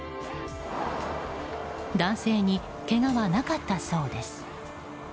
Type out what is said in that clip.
男性に、けがはなかったそうです。